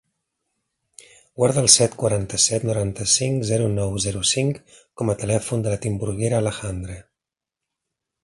Guarda el set, quaranta-set, noranta-cinc, zero, nou, zero, cinc com a telèfon de la Timburguera Alejandre.